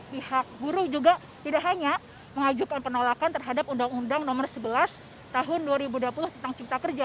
pihak buruh juga tidak hanya mengajukan penolakan terhadap undang undang nomor sebelas tahun dua ribu dua puluh tentang cipta kerja